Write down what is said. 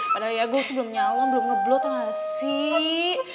padahal gue tuh belum nyala belum ngeblot gak sih